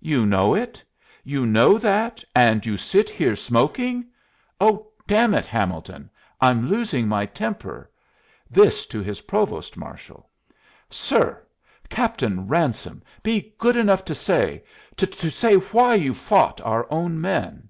"You know it you know that, and you sit here smoking? Oh, damn it, Hamilton, I'm losing my temper," this to his provost marshal. "Sir Captain Ransome, be good enough to say to say why you fought our own men."